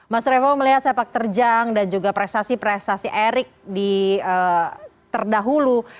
mas revo melihat sepak terjang dan juga prestasi prestasi erik terdahulu